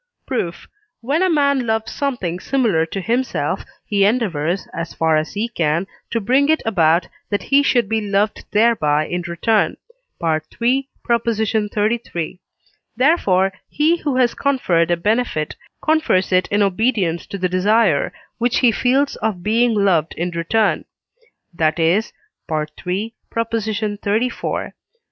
Proof. When a man loves something similar to himself, he endeavours, as far as he can, to bring it about that he should be loved thereby in return (III. xxxiii.). Therefore he who has conferred a benefit confers it in obedience to the desire, which he feels of being loved in return; that is (III. xxxiv.)